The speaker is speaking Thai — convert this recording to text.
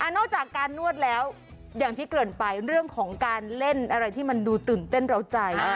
นอกจากการนวดแล้วอย่างที่เกินไปเรื่องของการเล่นอะไรที่มันดูตื่นเต้นเราใจ